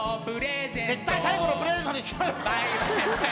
絶対最後のプレゼントにしろよ。